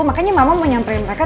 makanya mama mau nyamperin mereka